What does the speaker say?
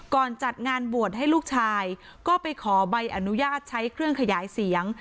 จัดงานบวชให้ลูกชายก็ไปขอใบอนุญาตใช้เครื่องขยายเสียง